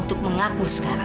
untuk mengaku sekarang